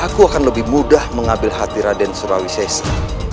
aku akan lebih mudah mengambil hati raden surawi sesa